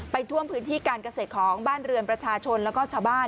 ท่วมพื้นที่การเกษตรของบ้านเรือนประชาชนแล้วก็ชาวบ้าน